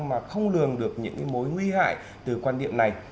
mà không lường được những mối nguy hại từ quan điểm này